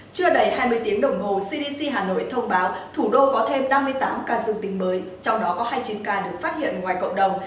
chưa đầy hai mươi tiếng đồng hồ cdc hà nội thông báo thủ đô có thêm năm mươi tám ca dương tính mới trong đó có hai mươi chín ca được phát hiện ngoài cộng đồng